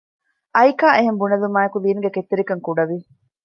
އައިކާ އެހެން ބުނެލުމާއެކު ލީންގެ ކެތްތެރިކަން ކުޑަވި